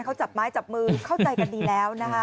เขาจับไม้จับมือเข้าใจกันดีแล้วนะคะ